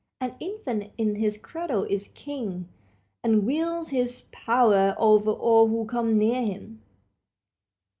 An infant in his cradle is king, and wields his power over all who come near him.